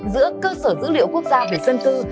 giữa cơ sở dữ liệu quốc gia về dân cư